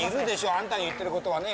あんたの言ってることはね